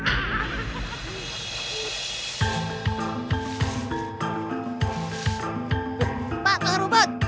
umm jangan biru biru